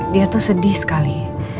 dia tuh sedih sekali